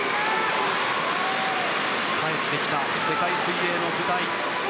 帰ってきた世界水泳の舞台。